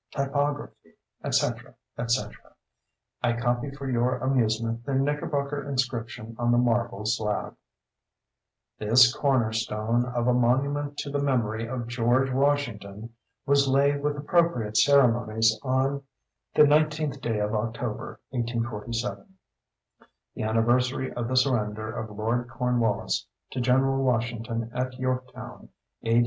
typography, &c., &c. I copy for your amusement the Knickerbocker inscription on the marble slab:— This Corner Stone of a Monument to The Memory of GEORGE WASHINGTON Was Laid With Appropriate Ceremonies on the 19th Day of October, 1847 The anniversary of the surrender of Lord Cornwallis to General Washington at Yorktown A.